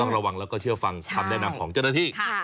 ระวังแล้วก็เชื่อฟังคำแนะนำของเจ้าหน้าที่